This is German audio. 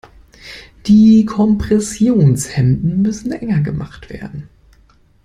Die Kompressionshemden müssen enger gemacht werden.